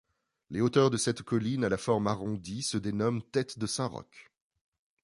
Les hauteurs de cette colline à la forme arrondie se dénomment Tête de St-Roch.